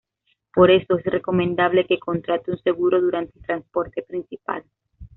Por eso, es recomendable que contrate un seguro durante el transporte principal.